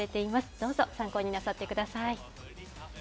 どうぞ参考になさってください。